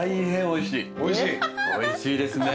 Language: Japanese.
おいしいですね。